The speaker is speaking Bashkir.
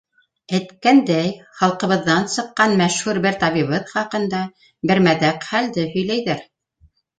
Әйткәндәй, халҡыбыҙҙан сыҡҡан мәшһүр бер табибыбыҙ хаҡында бер мәҙәк хәлде һөйләйҙәр.